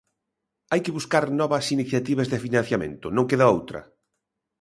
Hai que buscar novas iniciativas de financiamento, non queda outra.